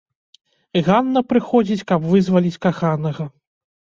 Ганна прыходзіць, каб вызваліць каханага.